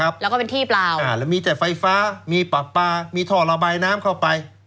แล้วก็เป็นที่เปล่าอ่าแล้วมีแต่ไฟฟ้ามีปากปลามีท่อระบายน้ำเข้าไป